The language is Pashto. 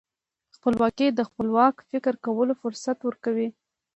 خپلواکي د خپلواک فکر کولو فرصت ورکوي.